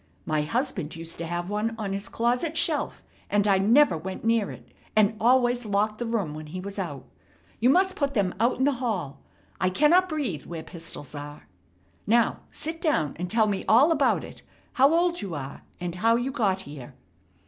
My husband used to have one on his closet shelf, and I never went near it, and always locked the room when he was out. You must put them out in the hall. I cannot breathe where pistols are. Now sit down and tell me all about it, how old you are, and how you got here."